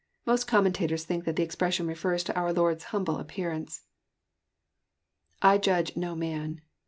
Most commentators think tlmt the expression refers to our I«ord's humble appearance. [^I judge no man.'